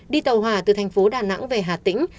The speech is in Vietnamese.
đi tàu hòa từ thành phố hà tĩnh